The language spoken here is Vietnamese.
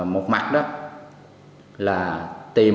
một mặt đó là tiền